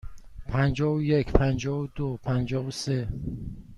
پنجاه و یک، پنجاه و دو، پنجاه و سه.